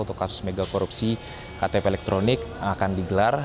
untuk kasus mega korupsi ktp elektronik akan digelar